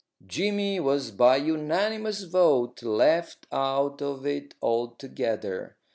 Jimmy was by unanimous vote left out of it altogether.